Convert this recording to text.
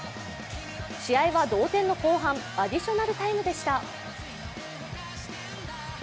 試合は同点の後半、アディショナルタイムでした。